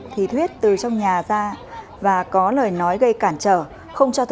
thị thuyết từ trong nhà ra và có lời nói gây cản trở